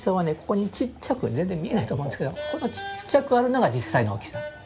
ここにちっちゃく全然見えないと思うんですけどこのちっちゃくあるのが実際の大きさなんです。